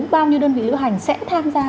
bao nhiêu đơn vị lữ hành sẽ tham gia